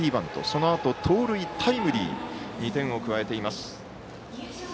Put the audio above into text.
そのあと、盗塁、タイムリー２点を加えています。